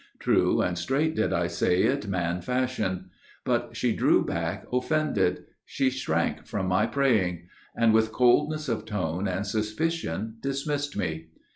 True and straight did I say it man fashion. But she drew back offended; she shrank from my praying, And with coldness of tone and suspicion dismissed me.